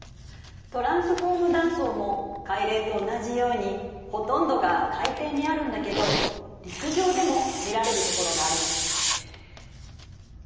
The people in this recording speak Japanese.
トランスフォーム断層も海嶺と同じようにほとんどが海底にあるんだけど陸上でも見られる所があるの。